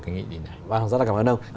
cái nghị định này vâng rất là cảm ơn ông